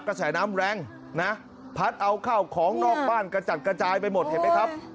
กระแสน้ำแรงนะพัดเอาข้าวของนอกบ้านกระจัดกระจายไปหมดเห็นไหมครับ